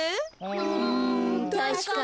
うんたしかに。